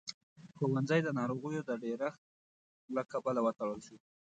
ښوونځی د ناروغيو د ډېرښت له کبله وتړل شو.